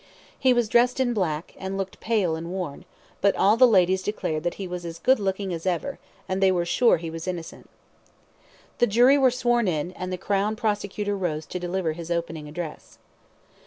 He was dressed in black, and looked pale and worn, but all the ladies declared that he was as good looking as ever, and they were sure he was innocent. The jury were sworn in, and the Crown Prosecutor rose to deliver his opening address.